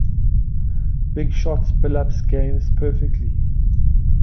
Big Shot Billups' game perfectly.